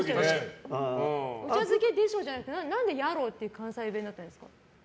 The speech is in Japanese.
お茶漬けでしょじゃなくてやろって関西弁だったんですか？